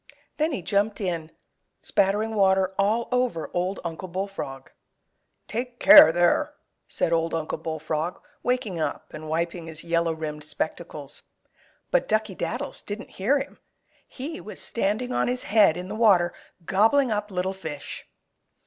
Then he jumped in, spattering water all over Old Uncle Bullfrog. "Take care, there!" said Old Uncle Bullfrog, waking up and wiping his yellow rimmed spectacles. But Duckey Daddles didn't hear him. He was standing on his head in the water, gobbling up little fish.